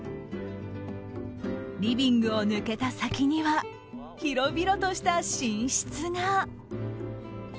リビングを抜けた先には広々とした寝室が。